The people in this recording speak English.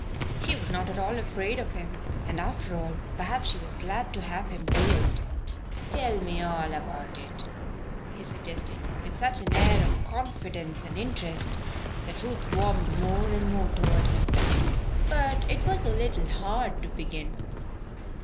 She was not at all afraid of him and, after all, perhaps she was glad to have him do it. "Tell me all about it," he suggested, with such an air of confidence and interest that Ruth warmed more and more toward him. But it was a little hard to begin.